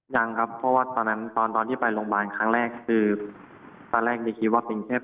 ยังครับเพราะว่าตอนนั้นตอนตอนที่ไปโรงพยาบาลครั้งแรกคือตอนแรกจะคิดว่าเป็นเพศแผลอืม